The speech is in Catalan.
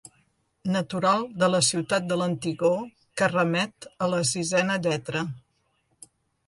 Natural de la ciutat de l'antigor que remet a la sisena lletra.